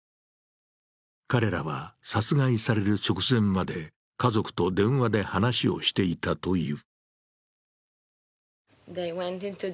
彼らは殺害される直前まで家族と電話で話をしていたという。